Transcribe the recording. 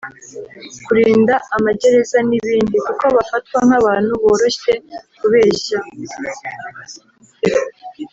kurinda amagereza n’ibindi) kuko bafatwa nk’abantu boroshye kubeshya